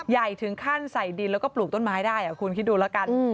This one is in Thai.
ใหญ่ถึงขั้นใส่ดินแล้วก็ปลูกต้นไม้ได้คุณคิดดูแล้วกัน